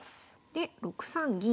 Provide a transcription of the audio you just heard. で６三銀。